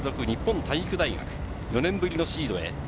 日本体育大学、４年ぶりのシードへ。